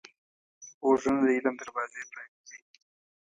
غوږونه د علم دروازې پرانیزي